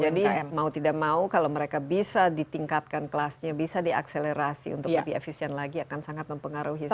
jadi kita tahu kalau mereka bisa ditingkatkan kelasnya bisa diakselerasi untuk lebih efisien lagi akan sangat mempengaruhi secara positif ya